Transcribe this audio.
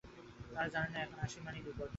তারা জানে এখন হাসা মানেই বিপদ।